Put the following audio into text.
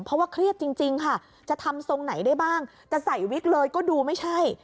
เพราะว่าเครียดจริงค่ะจะทำทรงไหนได้บ้างจะใส่วิกเลยก็ดูไม่ใช่